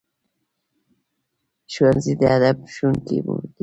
ښوونځی د ادب ښوونکی دی